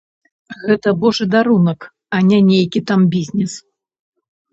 Гэта божы дарунак, а не нейкі там бізнэс.